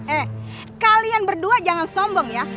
eh kalian berdua jangan sombong ya